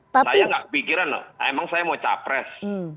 saya nggak kepikiran loh emang saya mau capres